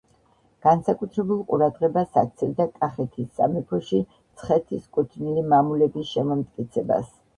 განსაკუთრებულ ყურადღებას აქცევდა კახეთის სამეფოში მცხეთის კუთვნილი მამულების შემომტკიცებას.